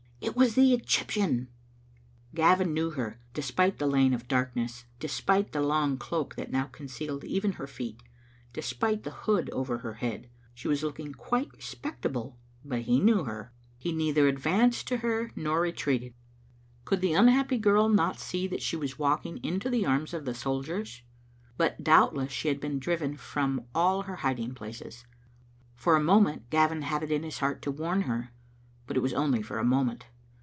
It was the Egyptian ! Gavin knew her, despite the lane of darkness, despite the long cloak that now concealed even her feet, despite the hood over her head. She was looking quite respect able, but he knew her. He neither advanced to her nor retreated. Could Digitized by VjOOQ IC n Zbc Xfttle Aini0tet* the unhappy girl not see that she was walking into the arms of the soldiers? But doubtless she had been driven from all her hiding places. For a moment Gavin had it in his heart to warn her. But it was only for a moment.